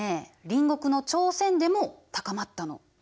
隣国の朝鮮でも高まったの。